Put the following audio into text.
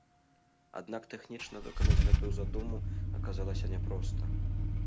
Аднак тэхнічна выканаць гэтую задуму аказалася няпроста.